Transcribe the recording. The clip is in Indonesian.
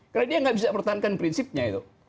karena dia nggak bisa bertahankan prinsipnya